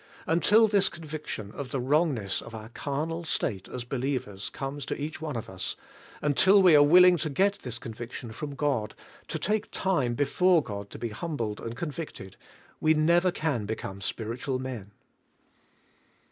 Until this conviction of the wrong ness of our carnal state as believers comes to each one of us ; until we are willing to get this conviction from God, to take time before God to be humbled and convicted, we never can become spiritual men.